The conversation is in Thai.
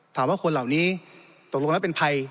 ถามว่าคนเหล่านี้ตกลงแล้วเป็นภัย